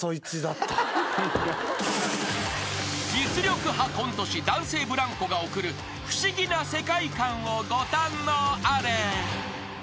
［実力派コント師男性ブランコが送る不思議な世界観をご堪能あれ］